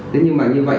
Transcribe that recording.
thế nhưng mà như vậy